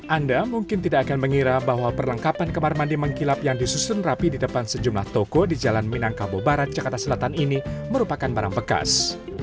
anda mungkin tidak akan mengira bahwa perlengkapan kamar mandi mengkilap yang disusun rapi di depan sejumlah toko di jalan minangkabau barat jakarta selatan ini merupakan barang bekas